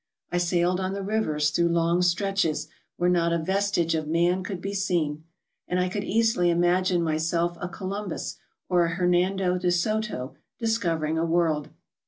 I sailed on the rivers through long stretches where not a vestige of man could be seen, and I could easily imagine myself a Columbus or a Hernando de Soto discovering a world.